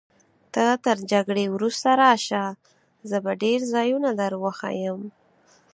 ته تر جګړې وروسته راشه، زه به ډېر ځایونه در وښیم.